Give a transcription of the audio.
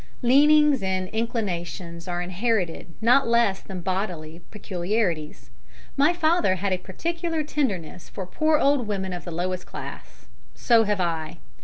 Leanings and inclinations are inherited not less than bodily peculiarities. My father had a particular tenderness for poor old women of the lowest class. So have I.